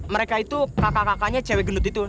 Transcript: mereka itu kakak kakaknya cewek gendut itu